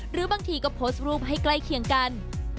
หรือบางทีก็โพสต์รูปให้ใกล้เคียงกัน